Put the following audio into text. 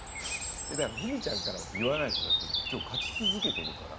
ふみちゃんからは言わないでしょだって今日勝ち続けてるから。